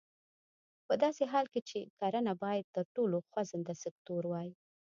په داسې حال کې چې کرنه باید تر ټولو خوځنده سکتور وای.